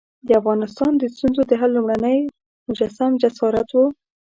د افغانستان د ستونزو د حل لومړنی مجسم جسارت وو.